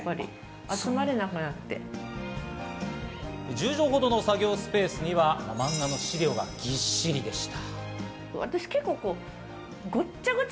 １０畳ほどの作業スペースには漫画の資料がぎっしりでした。